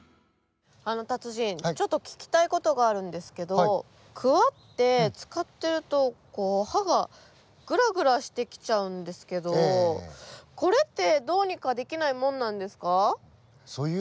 達人ちょっと聞きたい事があるんですけどクワって使ってるとこう刃がグラグラしてきちゃうんですけどこれってどうにかできないもんなんですか？